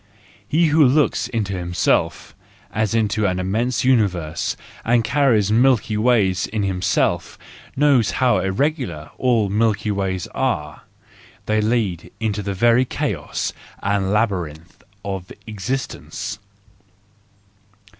He who looks into himself, as into an immense universe, and carries Milky Ways in himself, knows also how irregular all Milky Ways are; they lead into the very chaos and labyrinth of existence.